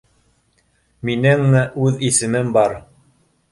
— Минең үҙ исемем бар.